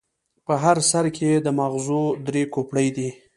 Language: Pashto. په هر سر کې یې د ماغزو درې کوپړۍ دي.